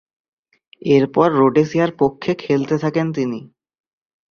এরপর রোডেশিয়ার পক্ষে খেলতে থাকেন তিনি।